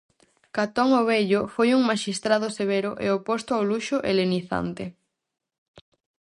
Catón o Vello foi un maxistrado severo e oposto ao luxo helenizante.